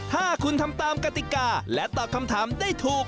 ถ้าคุณทำตามกติกาและตอบคำถามได้ถูก